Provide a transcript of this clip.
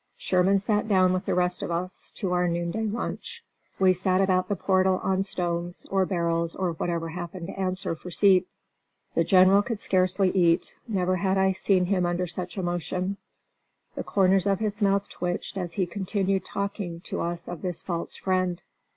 Sherman sat down with the rest of us to our noonday lunch. We sat about the portal on stones, or barrels, or whatever happened to answer for seats. The General could scarcely eat. Never had I seen him under such emotion; the corners of his mouth twitched as he continued talking to us of this false friend.